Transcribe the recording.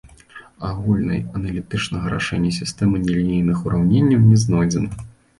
Агульнай аналітычнага рашэння сістэмы нелінейных ураўненняў не знойдзена.